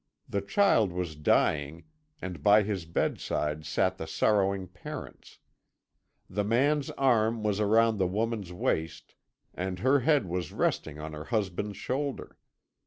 The child was dying, and by his bedside sat the sorrowing parents. The man's arm was round the woman's waist, and her head was resting on her husband's shoulder.